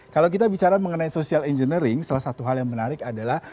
kalau kita bicara mengenai social engineering salah satu hal yang menarik adalah